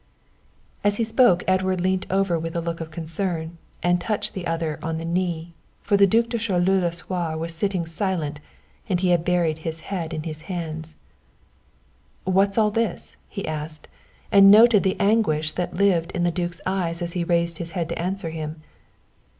As he spoke Edward leant over with a look of concern, and touched the other on the knee, for the Duc de Choleaux Lasuer was sitting silent, and had buried his head in his hands. "What's all this?" he asked, and noted the anguish that lived in the duke's eyes as he raised his head to answer him.